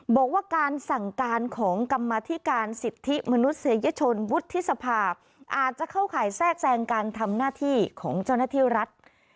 บอกว่าการสั่งการของกรรมธิการสิทธิมนุษยชนวุฒิสภาอาจจะเข้าข่ายแทรกแทรงการทำหน้าที่ของเจ้าหน้าที่รัฐ